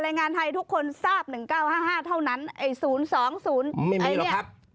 แรงงานไทยทุกคนทราบหนึ่งเก้าห้าห้าเท่านั้นไอ้ศูนย์สองศูนย์ไม่มีเหรอครับ